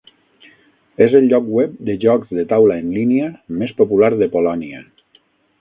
És el lloc web de jocs de taula en línia més popular de Polònia.